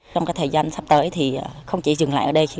trong thời gian sắp tới thì không chỉ dừng lại ở đây